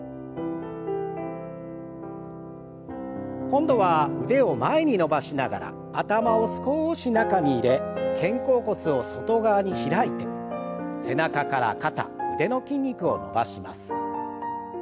今度は腕を前に伸ばしながら頭を少し中に入れ肩甲骨を外側に開いて背中から肩腕の筋肉を伸ばします。